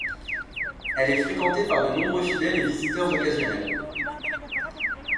Elle est fréquentée par de nombreux fidèles et visiteurs occasionnels.